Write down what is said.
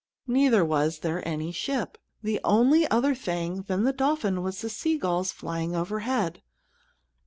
Neither was there any ship. The only other thing than the dolphin was the sea gulls flying overhead.